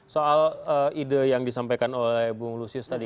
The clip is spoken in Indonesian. soal ide yang disampaikan oleh bung lusius tadi